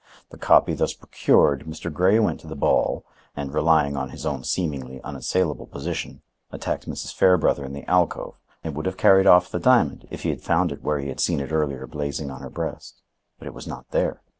The copy thus procured, Mr. Grey went to the ball, and, relying on his own seemingly unassailable position, attacked Mrs. Fairbrother in the alcove and would have carried off the diamond, if he had found it where he had seen it earlier blazing on her breast. But it was not there.